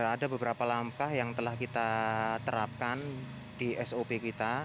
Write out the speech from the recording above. ada beberapa langkah yang telah kita terapkan di sop kita